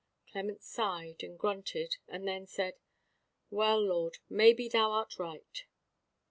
Clement sighed and grunted, and then said: "Well, lord, maybe thou art right."